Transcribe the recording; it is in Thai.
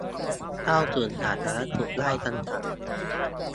เข้าถึงสาธารณสุขได้จำกัด